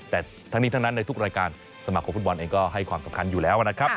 แต่ทั้งนี้ทั้งนั้นในทุกรายการสมาคมฟุตบอลเองก็ให้ความสำคัญอยู่แล้วนะครับ